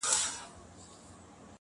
هر نسل يې يادوي بيا بيا-